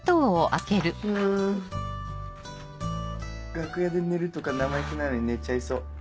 楽屋で寝るとか生意気なのに寝ちゃいそう。